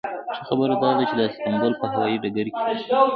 ښه خبره داده چې د استانبول په هوایي ډګر کې.